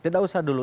tidak usah dulu